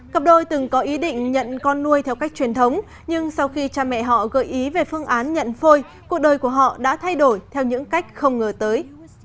cặp đôi từng có ý định nhận con nuôi theo cách truyền thống nhưng sau khi cha mẹ họ gợi ý về phương án nhận phôi cuộc đời của họ đã thay đổi theo những cách không ngờ tới